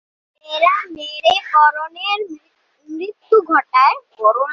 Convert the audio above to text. মেয়েরা মেরে করণের মৃত্যু ঘটায়।